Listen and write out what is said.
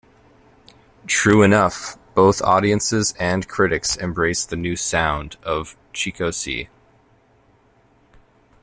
True enough, both audiences and critics embraced the new sound of ChicoSci.